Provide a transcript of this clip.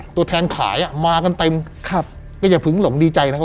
ตัวแทนขายอ่ะมากันเต็มครับก็อย่าเพิ่งหลงดีใจนะครับ